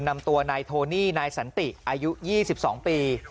นำตัวนายโทนี่นายสันติอายุ๒๒ปี